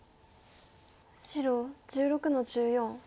白１６の十四。